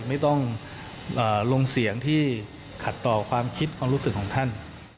ไม่ต้องลงเสียงที่ขัดต่อความคิดความรู้สึกของท่าน